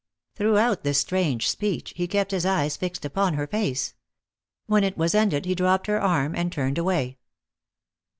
Throughout this strange speech he kept his eyes fixed upon her face. When it was ended he dropped her arm and turned away.